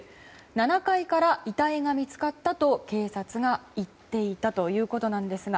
７階から遺体が見つかったと警察が言っていたということなんですが。